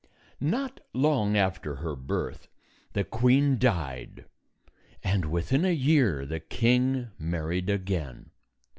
Not long after her birth the queen died, and within a year the king married again.